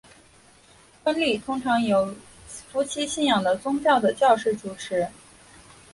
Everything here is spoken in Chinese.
婚礼通常由夫妻信仰的宗教的教士主持。